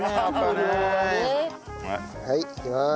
はいいきます。